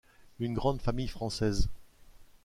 Une grande famille française.